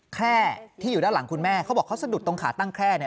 แค่ที่อยู่ด้านหลังคุณแม่เขาบอกเขาสะดุดตรงขาตั้งแคร่เนี่ย